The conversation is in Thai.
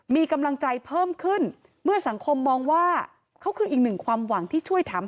มีกำลังใจเพิ่มขึ้นเมื่อสังคมมองว่าเขาคืออีกหนึ่งความหวังที่ช่วยถาม